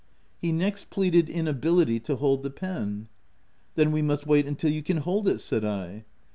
He next pleaded inability to hold the pen. " Then we must wait until you can hold it/' said I.